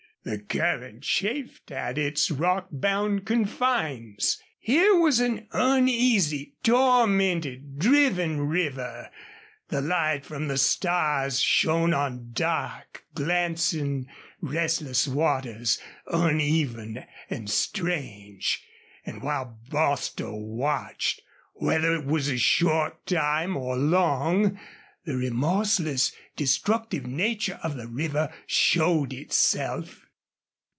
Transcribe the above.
The current chafed at its rock bound confines. Here was an uneasy, tormented, driven river! The light from the stars shone on dark, glancing, restless waters, uneven and strange. And while Bostil watched, whether it was a short time or long, the remorseless, destructive nature of the river showed itself.